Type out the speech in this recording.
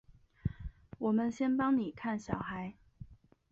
我们先帮妳看小孩